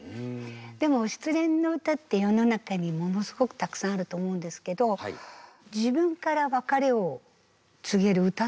でも失恋の歌って世の中にものすごくたくさんあると思うんですけどそうなんですね。